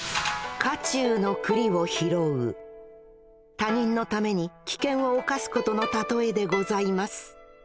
他人のために危険を冒すことの例えでございます